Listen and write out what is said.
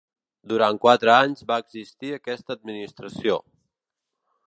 Durant quatre anys va existir aquesta administració.